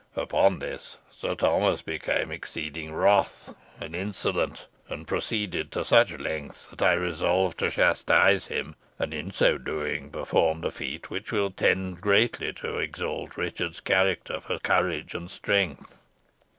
Upon this Sir Thomas became exceedingly wroth and insolent, and proceeded to such lengths that I resolved to chastise him, and in so doing performed a feat which will tend greatly to exalt Richard's character for courage and strength."